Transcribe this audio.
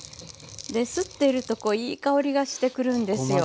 ですってるとこういい香りがしてくるんですよ。